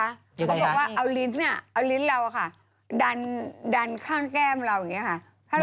มันก็บอกว่าเอาลิ้นเราค่ะดันข้างแก้มเราอย่างนี้ค่ะ